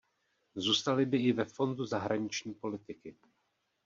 Zůstaly by i ve fondu zahraniční politiky.